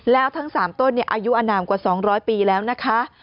แล้วทั้ง๓ต้นอายุอนามกว่า๒๐๐ปีแล้วนะคะ